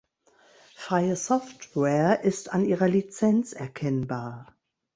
Freie Software ist an ihrer Lizenz erkennbar.